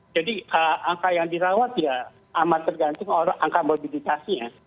jadi angka yang dirawat ya amat tergantung angka mobilitasnya